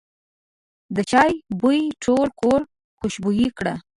د چای بوی ټول کور خوشبویه کړ.